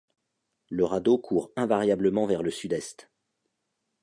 Le radeau court invariablement vers le sud-est.